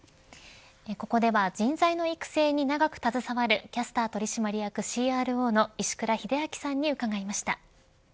ここでは人材の育成に長く携わるキャスター取締役ＣＲＯの石倉秀明さんに伺いました。